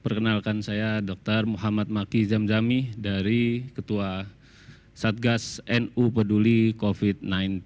perkenalkan saya dr muhammad maki jamzami dari ketua satgas nu peduli covid sembilan belas